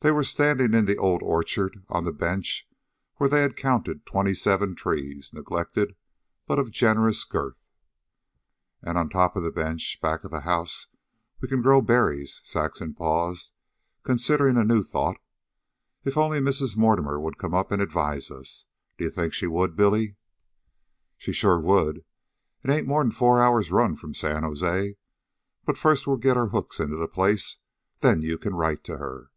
They were standing in the old orchard, on the bench where they had counted twenty seven trees, neglected but of generous girth. "And on top the bench, back of the house, we can grow berries." Saxon paused, considering a new thought. "If only Mrs. Mortimer would come up and advise us! Do you think she would, Billy?" "Sure she would. It ain't more 'n four hours' run from San Jose. But first we'll get our hooks into the place. Then you can write to her."